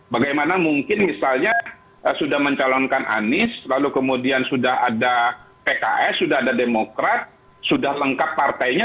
bagaimana mungkin misalnya sudah mencalonkan anies lalu kemudian sudah ada pks sudah ada demokrat sudah lengkap partainya